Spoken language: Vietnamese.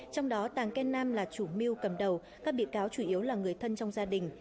trong đó tàng ken nam là chủ mưu cầm đầu các bị cáo chủ yếu là người thân trong gia đình